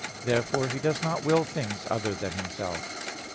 Therefore He does not will things other than Himself.